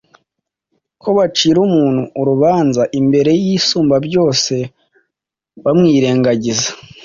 ko bacira umuntu urubanza, Imbere y’Isumbabyose barwirengagiza.